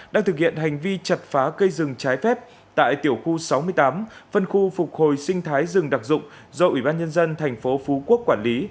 đang thực hiện hành vi chặt phá cây rừng trái phép tại tiểu khu sáu mươi tám phân khu phục hồi sinh thái rừng đặc dụng do ủy ban nhân dân thành phố phú quốc quản lý